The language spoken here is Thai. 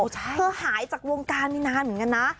เธอหายจากวงการมานานเหมือนกันนะ